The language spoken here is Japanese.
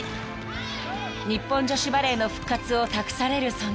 ［日本女子バレーの復活を託される存在に］